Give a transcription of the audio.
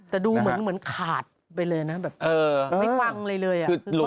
แต่ดูเหมือนขาดไปเลยนะแบบไม่ฟังอะไรเลย